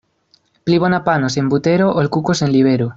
Pli bona pano sen butero, ol kuko sen libero.